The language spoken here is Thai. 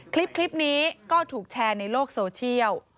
คลิปนี้ก็ถูกแชร์ในโลกโซเชียล